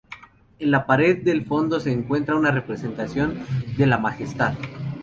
En la pared del fondo se encuentra una representación de la "Majestad".